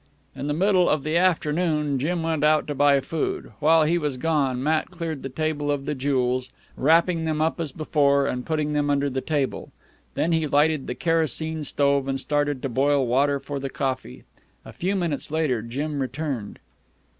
In the middle of the afternoon Jim went out to buy food. While he was gone, Matt cleared the table of the jewels, wrapping them up as before and putting them under the pillow. Then he lighted the kerosene stove and started to boil water for the coffee. A few minutes later, Jim returned.